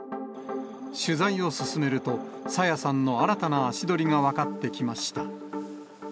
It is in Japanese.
取材を進めると、朝芽さんの新たな足取りが分かってきました。